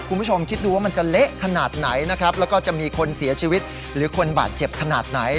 คุณผู้ชมคิดดูว่ามันจะเละขนาดไหนนะครับแล้วก็จะมีคนเสียชีวิตหรือคนบาดเจ็บขนาดไหน